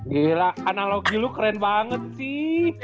gila analogi lo keren banget sih